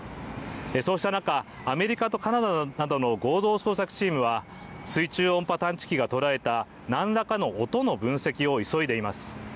そうした中、アメリカとカナダなどの合同捜索チームは水中音波探知機が捉えた何らかの音の分析を急いでいます。